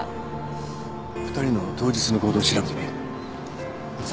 ２人の当日の行動を調べてみよう。